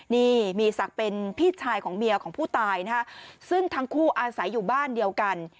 นี่มีศักดิ์เป็นพี่ชายของเมียของผู้ตายนะฮะซึ่งทั้งคู่อาศัยอยู่บ้านเดียวกัน